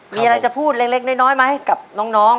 มีอะไรจะพูดเล็กน้อยไหมกับน้อง